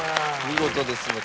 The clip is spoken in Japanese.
見事ですね